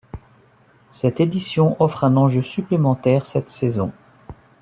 Cette édition offre un enjeu supplémentaire cette saison.